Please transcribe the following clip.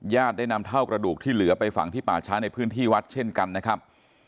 ได้นำเท่ากระดูกที่เหลือไปฝังที่ป่าช้าในพื้นที่วัดเช่นกันนะครับ